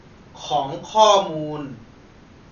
ของข้อมูล